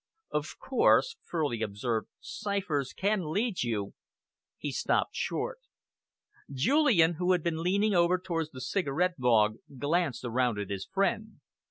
"Of course," Furley observed, "ciphers can lead you " He stopped short. Julian, who had been leaning over towards the cigarette bog, glanced around at his friend.